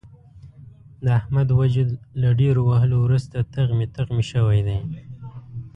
د احمد وجود له ډېرو وهلو ورسته تغمې تغمې شوی دی.